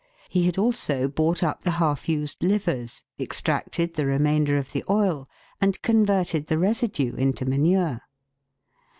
He had also bought up the half used livers, extracted the remainder of the oil, and converted the residue into manure.